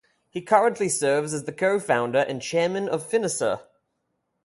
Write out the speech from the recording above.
He currently serves as the co-Founder and Chairman of Finisar.